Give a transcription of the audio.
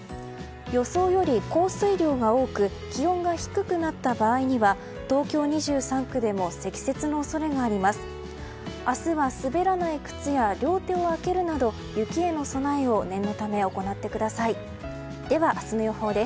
予想より降水量が多く気温が低くなった場合には東京２３区でも積雪の恐れがあります。